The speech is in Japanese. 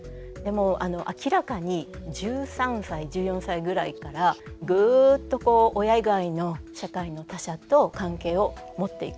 明らかに１３歳１４歳ぐらいからグッとこう親以外の社会の他者と関係を持っていく。